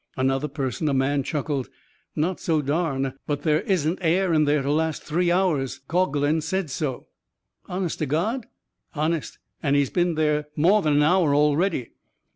Another person, a man, chuckled. "Not so darn. But there isn't air in there to last three hours. Caughlin said so." "Honest to God?" "Honest. An' he's been there more than an hour already."